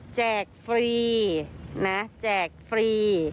แจกฟรีนะแจกฟรี